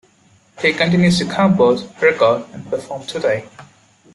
He continues to compose, record, and perform today.